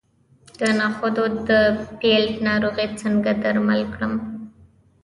د نخودو د پیلټ ناروغي څنګه درمل کړم؟